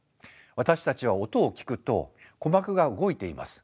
私たちは音を聞くと鼓膜が動いています。